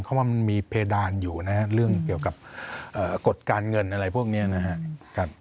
เพราะว่ามันมีเพดานอยู่นะครับเรื่องเกี่ยวกับกฎการเงินอะไรพวกนี้นะครับ